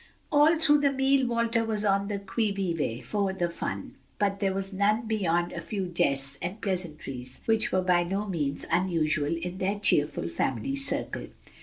All through the meal Walter was on the qui vive for the fun, but there was none beyond a few jests and pleasantries which were by no means unusual in their cheerful family circle.